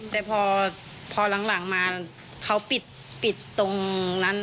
แต่พอหลังมาเขาปิดตรงนั้น